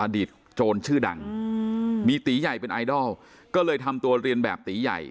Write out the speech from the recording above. โจรชื่อดังมีตีใหญ่เป็นไอดอลก็เลยทำตัวเรียนแบบตีใหญ่